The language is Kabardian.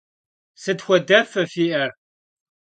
Sıt xuedefe fi'er?